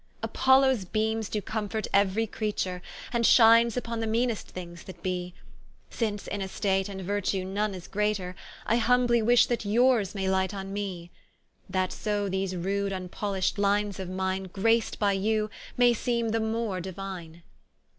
Apollo's beames doe comfort euery creature, And shines vpon the meanest things that be; Since in Estate and Virtue none is greater, I humbly wish that yours may light on me: That so these rude vnpollisht lines of mine, Graced by you, may seeme the more diuine.